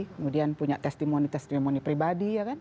kemudian punya testimoni testimoni pribadi ya kan